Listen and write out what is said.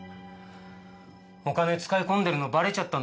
お金使い込んでるのバレちゃったんでしょ？